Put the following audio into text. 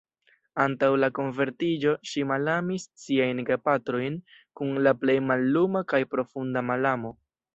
Antaŭ la konvertiĝo, ŝi malamis siajn gepatrojn kun la plej malluma kaj profunda malamo.